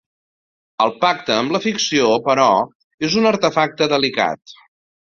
El pacte amb la ficció, però, és un artefacte delicat.